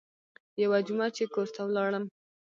يوه جمعه چې کور ته ولاړم.